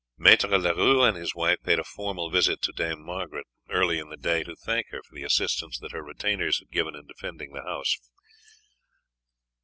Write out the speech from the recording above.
Maître Leroux and his wife paid a formal visit to Dame Margaret early in the day to thank her for the assistance that her retainers had given in defending the house.